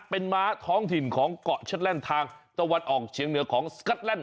เป็นม้าท้องถิ่นของเกาะเชิดแลนด์ทางตะวันออกเชียงเหนือของสก๊อตแลนด